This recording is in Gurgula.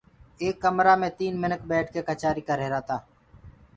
ايڪ ڪمرآ مي تين منک ٻيٺ ڪي ڪچآري ڪرريهرآ تآ